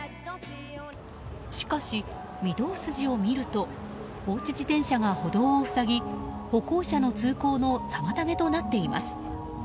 しかし御堂筋を見ると放置自転車が歩道を塞ぎ歩行者の通行の妨げとなっています。